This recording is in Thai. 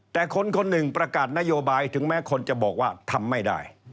แต่คนคนหนึ่งประกาศนโยบายถึงแม้คนจะบอกว่าทำไม่ได้